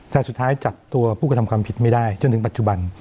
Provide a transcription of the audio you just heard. แต่สุดท้ายจับตัวผู้กระทำความผิดไม่ได้จนถึงปัจจุบัน